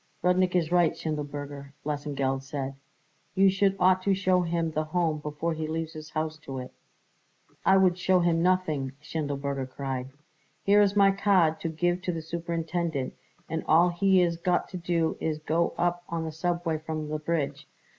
"Rudnik is right, Schindelberger," Lesengeld said; "you should ought to show him the Home before he leaves his house to it." "I would show him nothing," Schindelberger cried. "Here is my card to give to the superintendent, and all he is got to do is to go up on the subway from the bridge.